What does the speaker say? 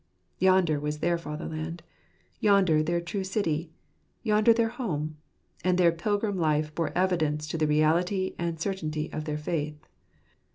Yonder was their fatherland. Yonder their true city. Yonder their home. And their pilgrim life bore evidence to the reality and certainty of their faith.